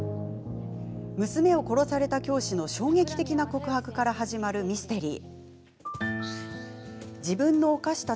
娘を殺された教師の衝撃的な告白から始まるミステリー。